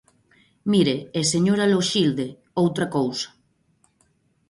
Mire, e señora Loxilde, outra cousa.